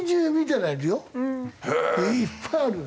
いっぱいあるよ